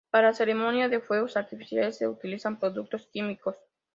Para la ceremonia de fuegos artificiales, se utilizan productos químicos.